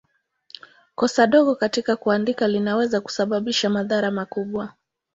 Kosa dogo katika kuandika linaweza kusababisha madhara makubwa.